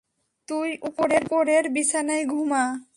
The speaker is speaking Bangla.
তুই উপরের বিছানায় ঘুমা।